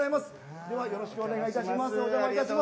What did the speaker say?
では、よろしくお願いいたします。